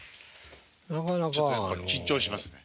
ちょっとやっぱり緊張しますね。